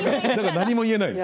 何も言えないです。